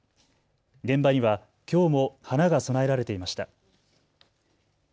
現場にはきょうも花が供えられていました。